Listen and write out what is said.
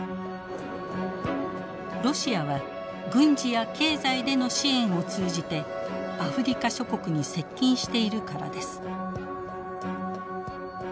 ロシアは軍事や経済での支援を通じてアフリカ諸国に接近しているからです。